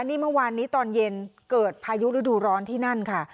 นี่เมื่อวานนี้ตอนเย็นเกิดพายุฤดูร้อนที่นั่นค่ะ